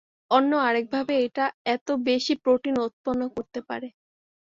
অন্য আরেকভাবে এটা এত বেশি প্রোটিন উৎপন্ন করতে পারে।